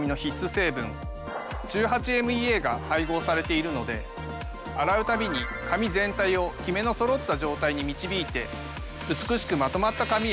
成分１８−ＭＥＡが配合されているので洗うたびに髪全体をキメのそろった状態に導いて。